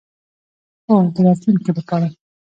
هو، د راتلونکی لپاره